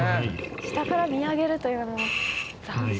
下から見上げるというのは斬新。